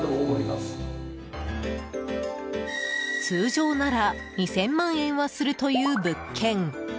通常なら２０００万円はするという物件。